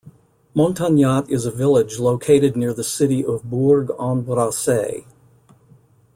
Montagnat is a village located near the city of Bourg-en-Bresse.